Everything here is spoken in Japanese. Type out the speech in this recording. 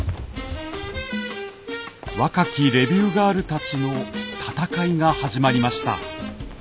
若きレビューガールたちの闘いが始まりました。